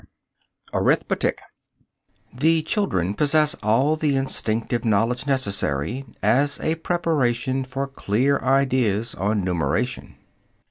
] ARITHMETIC The children possess all the instinctive knowledge necessary as a preparation for clear ideas on numeration.